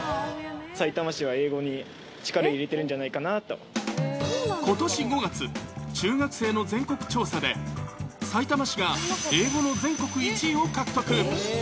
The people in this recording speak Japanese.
さいたま市は英語に力を入れことし５月、中学生の全国調査で、さいたま市が英語の全国１位を獲得。